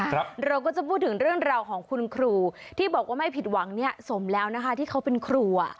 เราก็จะพูดถึงเรื่องราวของคุณครูที่บอกว่าไม่ผิดหวังเนี่ยสมแล้วนะคะที่เขาเป็นครูอ่ะ